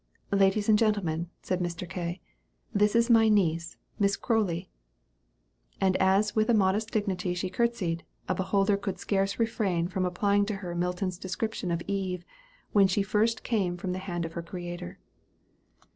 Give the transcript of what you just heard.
"Ladies and gentlemen," said Mr. K., "this is my niece, Miss Croly;" and as with a modest dignity she courtesied, a beholder could scarce refrain from applying to her Milton's description of Eve when she first came from the hand of her Creator.